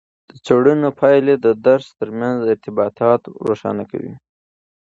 د څیړنو پایلې د درس ترمنځ ارتباطات روښانه کوي.